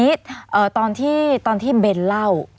ทีนี้ตอนที่เบนเล่า